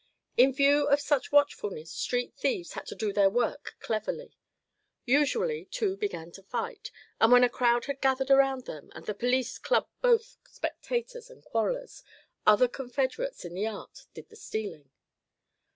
In view of such watchfulness street thieves had to do their work cleverly. Usually two began to fight, and when a crowd had gathered around them and the police clubbed both spectators and quarrellers, other confederates in the art did the stealing.